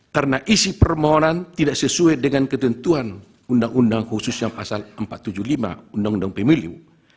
karena isi permohonan tidak sesuai dengan ketentuan undang undang khusus yang pasal empat ratus tujuh puluh lima undang undang pemiliu